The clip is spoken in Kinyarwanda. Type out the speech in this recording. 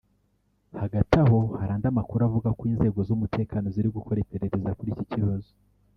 Hagati aho hari andi makuru avuga ko inzego z’umutekano ziri gukora iperereza kuri iki kibazo